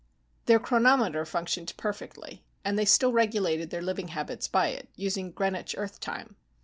Their chronometer functioned perfectly, and they still regulated their living habits by it, using Greenwich Earth time.